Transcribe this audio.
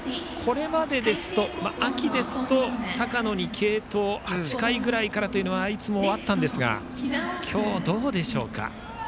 秋ですと、高野に継投８回ぐらいからというのはいつもあったんですが今日はどうでしょうか。